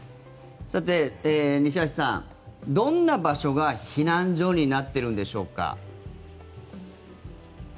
西橋さん、どんな場所が避難所になっているんでしょうか。